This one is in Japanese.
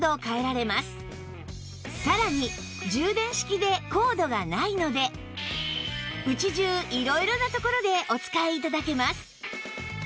さらに充電式でコードがないので家中色々な所でお使い頂けます